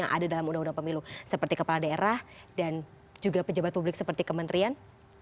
yang ada dalam undang undang pemilu seperti kepala daerah dan juga pejabat publik seperti kementerian